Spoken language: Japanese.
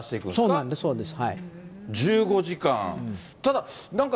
そうです、そうです。